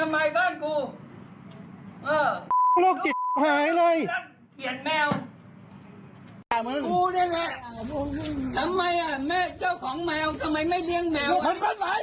มันอยู่ในบ้านกูกูไม่ได้ไปฆ่าบ้านมัน